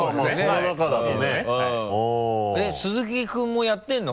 えっ鈴木君もやってるの？